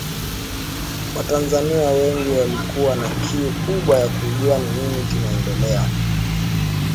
Watanzania wengi walikuwa na kiu kubwa ya kujua nini kinaendelea